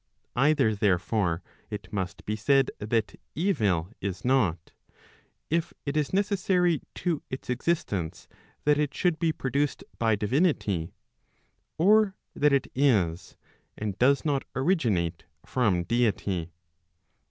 Either, therefore, it must be said that evil is not, if it is necessary to its existence that it should be produced by divinity, or that it is, and does not originate from deity.